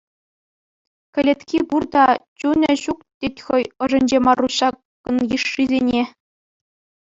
Кӗлетки пур та, чунӗ ҫук тет хӑй ӑшӗнче Маруҫ ҫакӑн йышшисене.